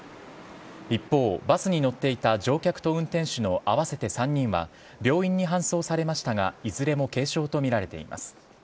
一方、バスに乗っていた乗客と運転手の合わせて３人は病院に搬送されましたがいずれも軽傷とみられています。